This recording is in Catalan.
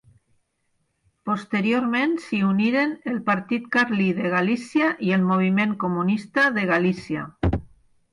Posteriorment s'hi uniren el Partit Carlí de Galícia i el Moviment Comunista de Galícia.